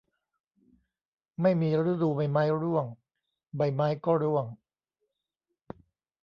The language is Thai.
ไม่มีฤดูใบไม้ร่วง ใบไม้ก็ร่วง